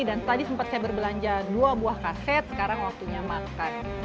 dan tadi sempat saya berbelanja dua buah kaset sekarang waktunya makan